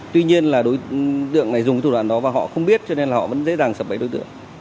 tuy nhiên là đối tượng này dùng cái thủ đoạn đó và họ không biết cho nên là họ vẫn dễ dàng sập bẫy đối tượng